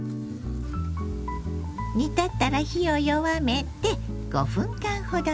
煮立ったら火を弱めて５分間ほど煮ます。